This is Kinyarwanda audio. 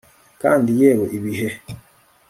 Kandi yewe ibihe